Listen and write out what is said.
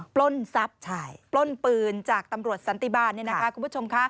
ปล้นทรัพย์ปล้นปืนจากตำรวจสันติบาล